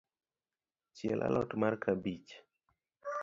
Chiel a lot mar kabich.